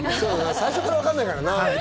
最初から分かんないからな。